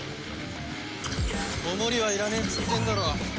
お守りはいらねえっつってんだろ。